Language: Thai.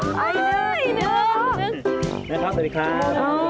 ไม่ได้เนื่องอ๊ายหนึ่ง